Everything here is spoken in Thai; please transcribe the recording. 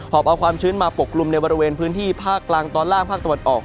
อบเอาความชื้นมาปกกลุ่มในบริเวณพื้นที่ภาคกลางตอนล่างภาคตะวันออก